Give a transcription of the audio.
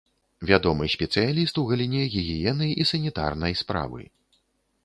Вядомы спецыяліст у галіне гігіены і санітарнай справы.